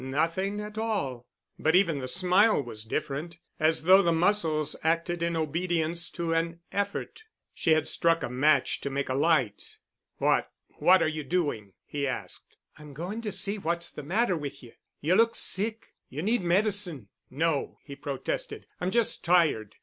"Nothing at all." But even the smile was different, as though the muscles acted in obedience to an effort. She had struck a match to make a light. "What—what are you doing?" he asked. "I'm going to see what's the matter with you. You look sick. You need medicine." "No," he protested. "I'm just tired.